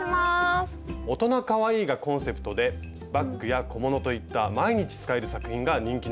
「大人かわいい」がコンセプトでバッグや小物といった毎日使える作品が人気なんです。